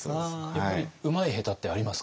やっぱりうまい下手ってありますか？